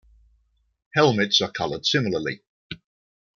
Helmets are coloured similarly.